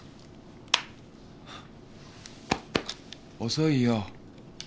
遅いよ。